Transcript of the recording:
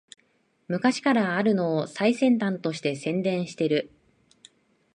昔からあるのを最先端として宣伝してる